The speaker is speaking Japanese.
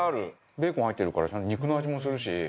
ベーコン入ってるからちゃんと肉の味もするし。